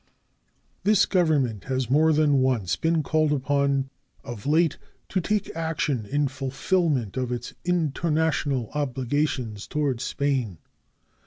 This government has more than once been called upon of late to take action in fulfillment of its international obligations toward Spain.